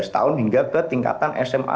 lima belas tahun hingga ke tingkatan sma